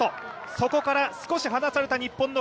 そこから少し離された日本の